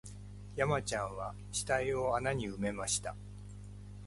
山ちゃんは死体を穴に埋めました